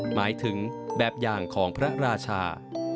หมายถึงแบบอย่างของพระราชา